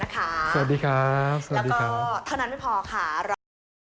ครับทุกคนครับ